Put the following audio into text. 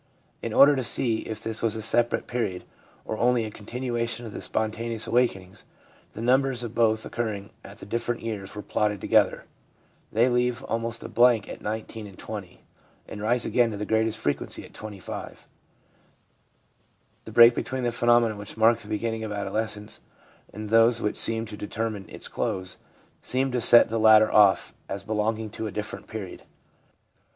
In order to see if this was a separate period or only a continuation of the ' spontaneous awakenings/ the numbers of both occurring at the different years were plotted together. They leave almost a blank at 19 and 20, and rise again to the greatest frequency at 25. The break between the phenomena which mark the beginning of adolescence and those which seem to determine its close seem to set the latter off as belong ing to a different period.